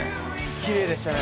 きれいでしたね。